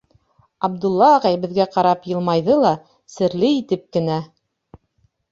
Абдулла ағай беҙгә ҡарап йылмайҙы ла, серле итеп кенә: